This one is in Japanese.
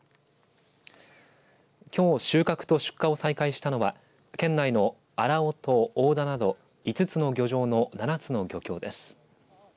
きょう収穫と出荷を再開したのは県内の荒尾と網田など５つの漁場の７つの漁協です。